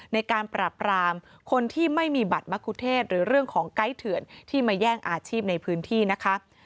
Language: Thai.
ในการปราบรามคนที่ไม่มีบัตรมะคุเทศหรือเรื่องของไกด์เถื่อนที่มาแย่งอาชีพในพื้นที่นะคะ